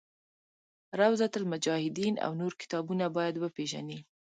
روضة المجاهدین او نور کتابونه باید وپېژني.